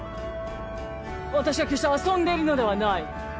私は決して遊んでいるのではない。